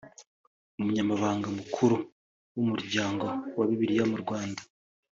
Umunyamabanga Mukuru w’Umuryango wa Bibiliya mu Rwanda